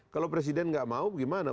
kalau presiden nggak mau gimana